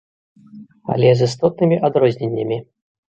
Але з істотнымі адрозненнямі.